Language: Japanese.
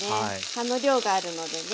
葉の量があるのでね。